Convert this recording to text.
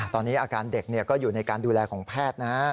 ตอนนี้อาการเด็กก็อยู่ในการดูแลของแพทย์นะ